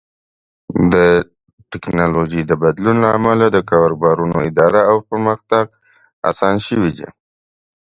د ټکنالوژۍ د بدلون له امله د کاروبارونو اداره او پرمختګ اسان شوی دی.